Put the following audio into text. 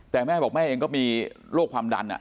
แต่แม่บอกแม่เองก็มีโรคความดัน